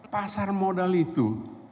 pasar modal itu